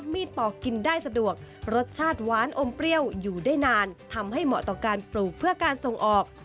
ปอกกินได้สะดวกรสชาติหวานอมเปรี้ยวอยู่ได้นานทำให้เหมาะต่อการปลูกเพื่อการส่งออก